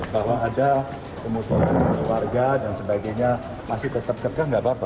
bahwa ada kebutuhan warga dan sebagainya masih tetap kerja nggak apa apa